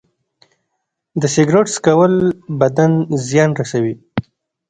د سګرټ څکول بدن زیان رسوي.